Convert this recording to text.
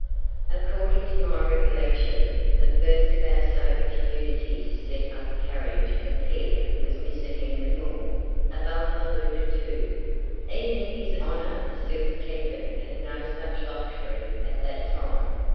According to my recollection, the first of our sober community to set up a carriage and pair was Mr. Henry Moor, above alluded to. Even His Honour the Superintendent had no such luxury at that time.